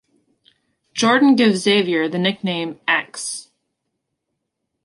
Jordan gives Xavier the nickname "X".